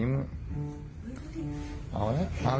เอาแล้วเอาอีกครับ